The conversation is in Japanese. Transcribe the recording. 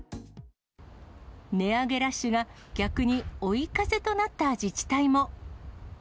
値上げラッシュが逆に追い風となった自治体も。